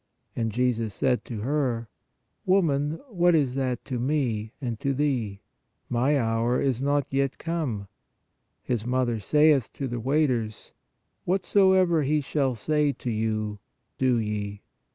And Jesus said to her: Woman, what is that to Me and to thee ? My hour is not yet come. His Mother saith to the waiters : Whatsoever He shall say to you, do ye.